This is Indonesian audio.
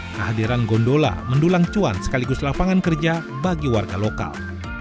kehadiran gondola mendulang cuan sekaligus lapangan kerja bagi warga lokal